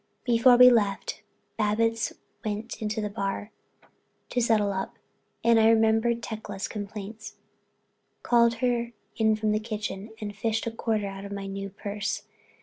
Before we left, Babbitts went into the bar to settle up and I, remembering Tecla's complaints, called her in from the kitchen and fished a quarter out of my new purse.